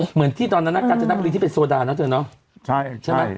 เหมือนที่ตอนนั้นการเจอน้ำผลิตที่เป็นโซดาเนาะเจอเนาะ